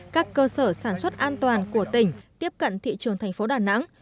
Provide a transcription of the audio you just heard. các cơ sở sản xuất an toàn của tỉnh tiếp cận thị trường thành phố đà nẵng